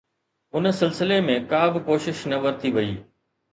ان سلسلي ۾ ڪا به ڪوشش نه ورتي وئي.